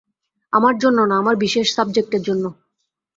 আমার জন্য না, আমার বিশেষ সাবজেক্টের জন্য।